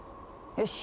よし。